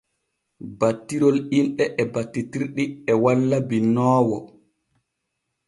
Battirol inɗe e battitirɗi e walla binnoowo.